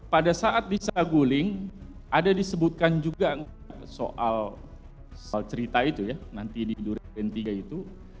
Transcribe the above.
pada saat di saguling ada disebutkan juga soal cerita itu ya nanti di durian tiga itu